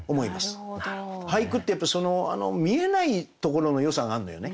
俳句ってやっぱり見えないところのよさがあんのよね。